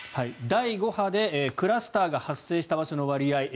第５波でクラスターが発生した場所の割合